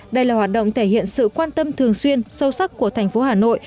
đây là hoạt động thể hiện sự quan tâm thường xuyên sâu sắc của tp hà nội